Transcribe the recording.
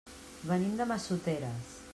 Venim de Massoteres.